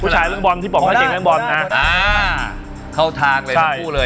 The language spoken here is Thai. ผู้ชายบอลที่บอกว่าเขียนแรงบอลอ่าเข้าทางเลยทั้งคู่เลย